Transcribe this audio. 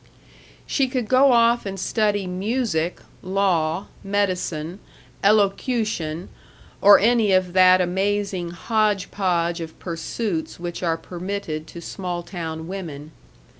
She could go off and study music, law, medicine, elocution, or any of that amazing hodge podge of pursuits which are permitted to small town women.